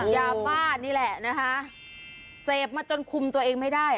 ยาบ้านี่แหละนะคะเสพมาจนคุมตัวเองไม่ได้